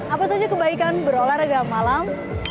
apa saja kebaikan berolahraga malam